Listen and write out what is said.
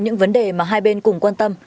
những vấn đề mà hai bên cùng quan tâm